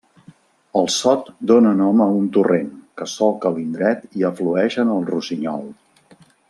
El sot dóna nom a un torrent, que solca l'indret i aflueix en el Rossinyol.